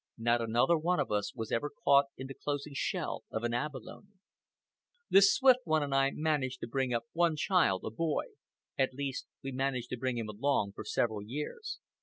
Not another one of us was ever caught in the closing shell of an abalone. The Swift One and I managed to bring up one child, a boy—at least we managed to bring him along for several years.